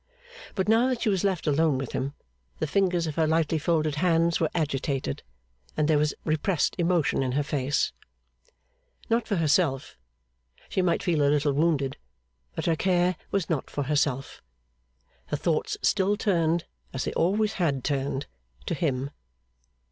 But now that she was left alone with him the fingers of her lightly folded hands were agitated, and there was repressed emotion in her face. Not for herself. She might feel a little wounded, but her care was not for herself. Her thoughts still turned, as they always had turned, to him.